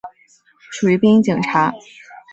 属于便衣警察。